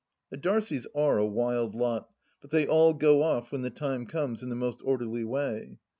The Darcies are a wild lot, but they all go off when the time comes in the most orderly way.